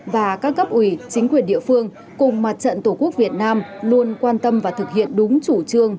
và các cấp ủy chính quyền địa phương cùng mặt trận tổ quốc việt nam luôn quan tâm và thực hiện đúng chủ trương